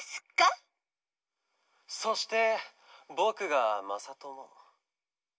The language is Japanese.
そしてぼくがまさとも。